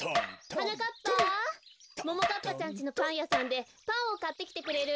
はなかっぱももかっぱちゃんちのパンやさんでパンをかってきてくれる？